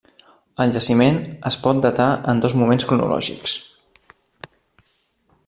El jaciment es pot datar en dos moments cronològics.